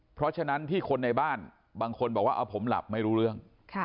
เพราะฉะนั้นที่คนในบ้านบางคนบอกว่าเอาผมหลับไม่รู้เรื่อง